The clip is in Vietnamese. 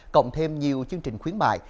cộng thêm nhiều chương trình khuyến mại